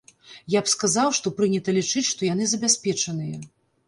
Я б сказаў, што прынята лічыць, што яны забяспечаныя.